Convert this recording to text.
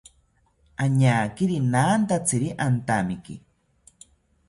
Añakiri nantatziri antamiki